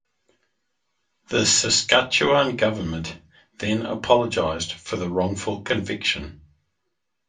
The Saskatchewan government then apologized for the wrongful conviction.